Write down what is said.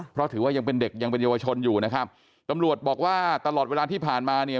เพราะถือว่ายังเป็นเด็กยังเป็นเยาวชนอยู่นะครับตำรวจบอกว่าตลอดเวลาที่ผ่านมาเนี่ย